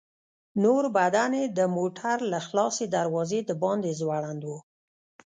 نور بدن يې د موټر له خلاصې دروازې د باندې ځوړند و.